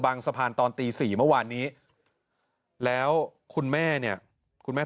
สะพานตอนตี๔เมื่อวานนี้แล้วคุณแม่เนี่ยคุณแม่